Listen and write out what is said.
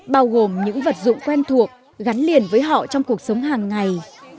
bao gồm những vật dụng quen thuộc gắn liền với họ trong cuộc sống hàng ngày